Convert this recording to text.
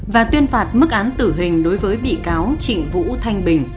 và tuyên phạt mức án tử hình đối với bị cáo trịnh vũ thanh bình